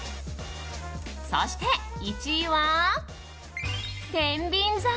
そして１位は、てんびん座。